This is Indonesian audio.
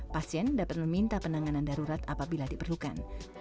pasien dapat meminta penanganan darurat apabila diperlukan